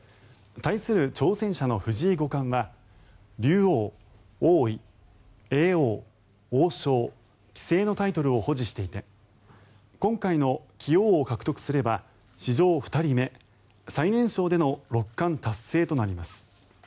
対する挑戦者の藤井五冠は竜王、王位、叡王、王将、棋聖のタイトルを保持していて今回の棋王を獲得すれば史上２人目、最年少での六冠達成となります。